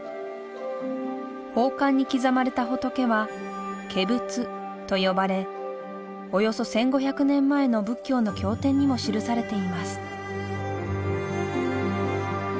宝冠に刻まれた仏は化仏と呼ばれおよそ１，５００年前の仏教の経典にも記されています